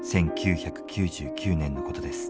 １９９９年のことです。